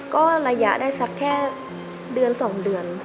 ก็ระยะได้สักแค่เดือน๒เดือน